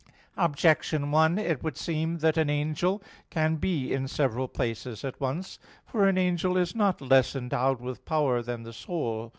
Objection 1: It would seem that an angel can be in several places at once. For an angel is not less endowed with power than the soul.